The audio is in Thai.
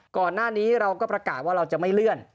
ก่อนหน้านี้เราก็ประกาศว่าเราจะไม่เลื่อน